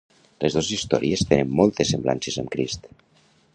Les dos històries tenen moltes semblances amb Crist.